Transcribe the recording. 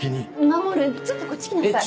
守ちょっとこっち来なさい。